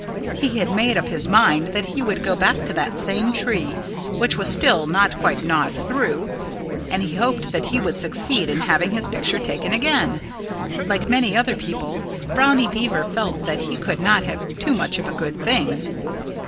He had made up his mind that he would go back to that same tree, which was still not quite gnawed through; and he hoped that he would succeed in having his picture taken again. Like many other people, Brownie Beaver felt that he could not have too much of a good thing.